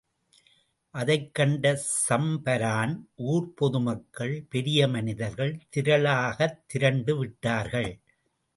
அதைக் கண்ட சம்பரான் ஊர் பொதுமக்கள், பெரிய மனிதர்கள் திரளாகத் திரண்டு விட்டார்கள்.